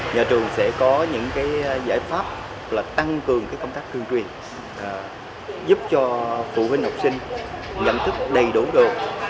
nhà trường sẽ có những giải pháp tăng cường công tác tuyên truyền giúp cho phụ huynh học sinh nhận thức đầy đủ đồ